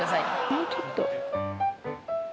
もうちょっと。